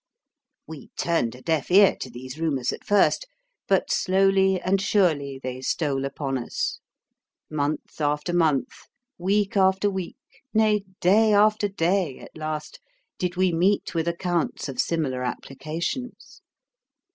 We turned a deaf ear to these rumours at first, but slowly and surely they stole upon us. Month after month, week after week, nay, day after day, at last, did we meet with accounts of similar applications.